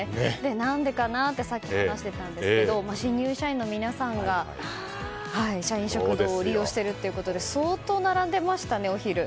何でかなってさっき話していたんですけど新入社員の皆さんが社員食堂を利用してるってことで相当並んでましたね、お昼。